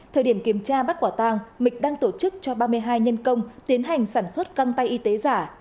thời điểm kiểm tra bắt quả tang mịch đang tổ chức cho ba mươi hai nhân công tiến hành sản xuất găng tay y tế giả